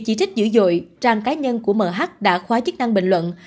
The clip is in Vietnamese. ít dữ dội trang cá nhân của mh đã khóa chức năng bình luận